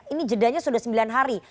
ini jedanya sudah sembilan hari